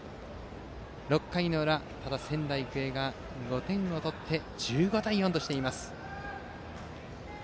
６回の裏仙台育英が５点を取って１５対４としています。